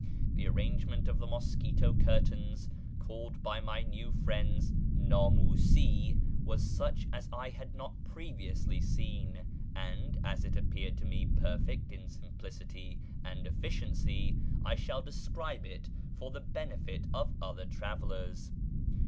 The arrangement of the mosquito curtains (called by my new friends námúsí) was such as I had not previously seen, and, as it appeared to me perfect in simplicity and efficiency, I shall describe it for the benefit of other travellers.